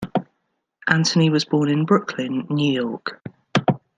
Anthony was born in Brooklyn, New York.